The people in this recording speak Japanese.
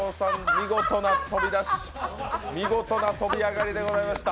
見事な飛び出し、飛び上がりでございました。